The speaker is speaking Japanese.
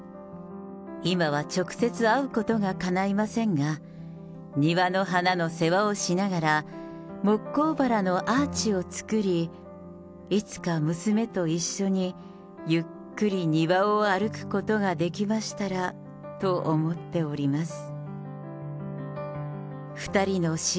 今は直接会うことがかないませんが、庭の花の世話をしながら、モッコウバラのアーチを作り、いつか娘と一緒にゆっくり庭を歩くことができましたらと思っております。